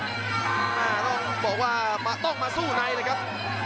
ต้องบอกว่าต้องมาสู้ในเลยครับ